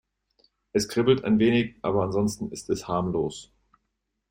Es kribbelt ein wenig, aber ansonsten ist es harmlos.